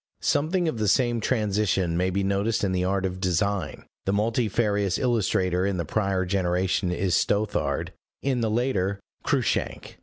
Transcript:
Something of the same transition may be noticed in the art of design; the multifarious illustrator in the prior generation is Stothard, in the later, Cruikshank.